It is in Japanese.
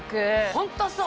ホントそう！